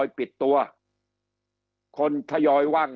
คำอภิปรายของสอสอพักเก้าไกลคนหนึ่ง